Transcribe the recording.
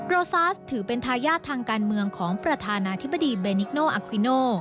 โรซาสถือเป็นทายาททางการเมืองของประธานาธิบดีเบนิกโนอาควิโน